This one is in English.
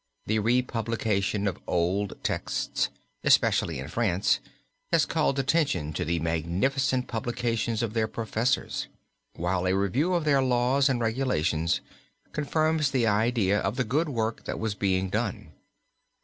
The republication of old texts, especially in France, has called attention to the magnificent publications of their professors, while a review of their laws and regulations confirms the idea of the good work that was being done.